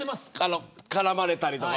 絡まれたりとか。